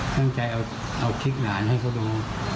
ตั้งใจเอาคลิปหลานให้เขาดู